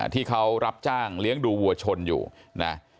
ที่เขารับจ้างเลี้ยงดูวัวชนอยู่นะ